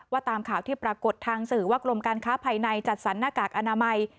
ตามข่าวที่ปรากฏทางสื่อว่ากรมการค้าภายในจัดสรรหน้ากากอนามัย